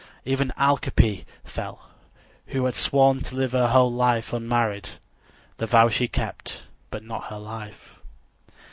Even Alkippe fell, who had sworn to live her whole live unmarried: the vow she kept, but not her life.